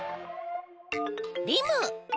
リム。